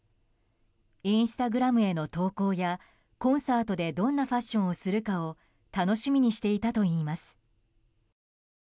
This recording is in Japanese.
インスタグラムへの投稿やコンサートでどんなファッションをするかを楽しみにしていたといいます。